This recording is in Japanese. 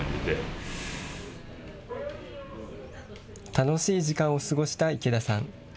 楽しい時間を過ごした池田さん。